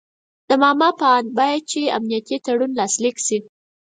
د ماما په آند باید چې امنیتي تړون لاسلیک شي.